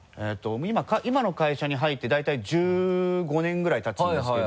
今の会社に入って大体１５年ぐらいたつんですけど。